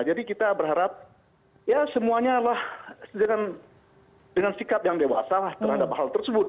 jadi kita berharap semuanya dengan sikap yang dewasa terhadap hal tersebut